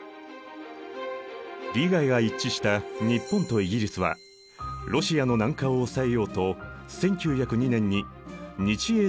利害が一致した日本とイギリスはロシアの南下を抑えようと１９０２年に日英同盟を結んだ。